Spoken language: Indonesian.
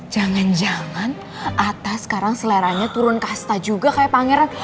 jangan jangan atas sekarang seleranya turun kasta juga kayak pangeran